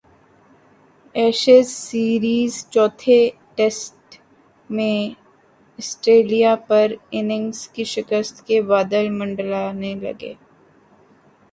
Ashes series چوتھے test میں Australia پر اننگز کی شکست کے بادل منڈلانے لگے